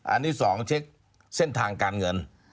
อันนี้๒เช็คเส้นทางการเงิน